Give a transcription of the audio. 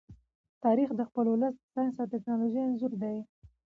تاریخ د خپل ولس د ساینس او ټیکنالوژۍ انځور دی.